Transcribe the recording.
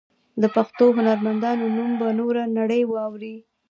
د پښتو هنرمندانو نوم به نوره نړۍ واوري.